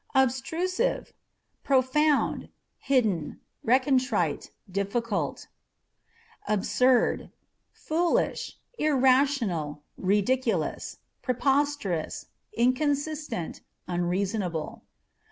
Abstruse: â€" profound, hidden, recondite, difficult. Absurd â€" foolish, irrational, ridiculous, preposterous, incon sistent, unreasonable.